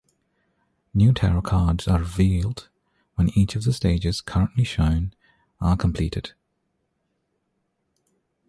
New tarot cards are revealed when each of the stages currently shown are completed.